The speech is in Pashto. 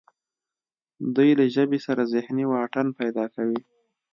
دوی له ژبې سره ذهني واټن پیدا کوي